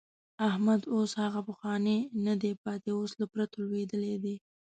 احمد اوس هغه پخوانی نه دی پاتې، اوس له پرتو لوېدلی دی.